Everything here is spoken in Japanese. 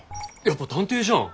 やっぱ探偵じゃん！